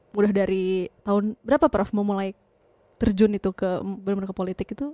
mudah dari tahun berapa prof mau mulai terjun itu ke politik itu